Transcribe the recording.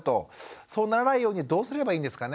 そうならないようにはどうすればいいんですかね？